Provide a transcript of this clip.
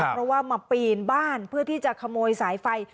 เพราะว่ามาปีนบ้านเพื่อที่จะขโมยสายไฟ